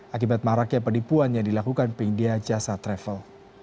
akibat maraknya penipuan yang dilakukan penyedia jasa travel